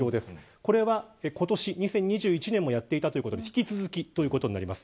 これは今年２０２１年もやっていたということで引き続き、ということです。